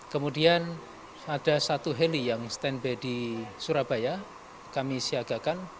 kemudian ada satu heli yang stand by di surabaya kami siagakan